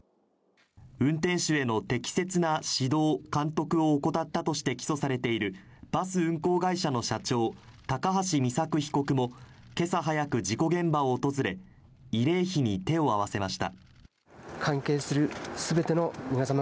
運転手への適切な指導・監督を怠ったとして起訴されているバス運行会社の社長・高橋美作被告も今朝早く事故現場を訪れ、慰霊碑に手を合わせました。